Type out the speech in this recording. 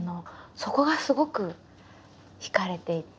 そこがすごく惹かれていて。